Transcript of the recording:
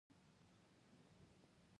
د موبایل اپلیکیشنونو جوړونکي ځوانان دي.